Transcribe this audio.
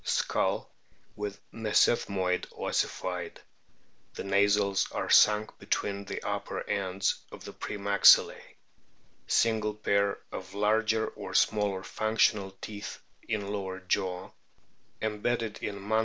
Skull with mesethmoid ossified; the nasals are sunk between the upper ends of the pre maxillae ; single pair of larger or smaller functional teeth in lower jaw, embedded in * W.